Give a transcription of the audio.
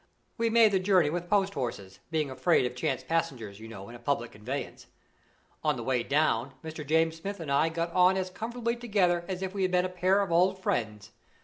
We made the journey with post horses, being afraid of chance passengers, you know, in public conveyances. On the way down, Mr. James Smith and I got on as comfortably together as if we had been a pair of old friends.